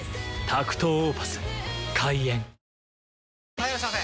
・はいいらっしゃいませ！